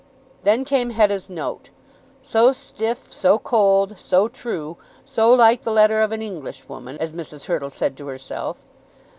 Then came Hetta's note, so stiff, so cold, so true, so like the letter of an Englishwoman, as Mrs. Hurtle said to herself.